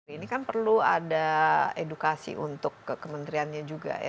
ini kan perlu ada edukasi untuk kementeriannya juga ya